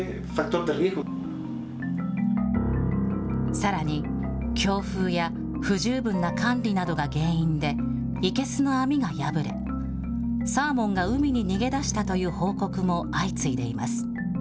さらに、強風や不十分な管理などが原因で、生けすの網が破れ、サーモンが海に逃げ出したという報告も相次いでいます。